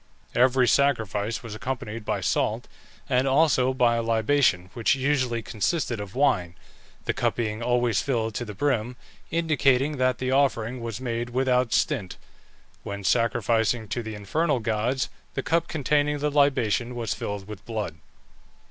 Every sacrifice was accompanied by salt and also by a libation, which usually consisted of wine, the cup being always filled to the brim, indicating that the offering was made without stint. When sacrificing to the infernal gods the cup containing the libation was filled with blood.